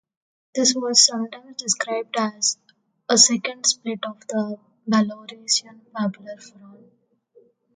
This was sometimes described as a "second split" of the Belarusian Popular Fron.